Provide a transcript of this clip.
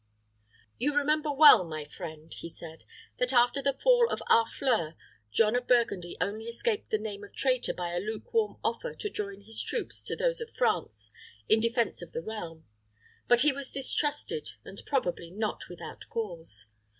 "You remember well, my friend," he said, "that, after the fall of Harfleur, John of Burgundy only escaped the name of traitor by a lukewarm offer to join his troops to those of France in defense of the realm. But he was distrusted, and probably not without cause.